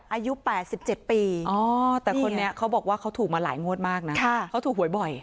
อายุ๘๗ปีแต่คนนี้เขาบอกว่าเขาถูกมาหลายงวดมากนะเขาถูกหวยบ่อย